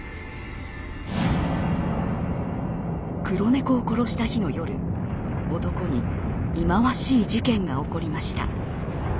黒猫を殺した日の夜男に忌まわしい事件が起こりました。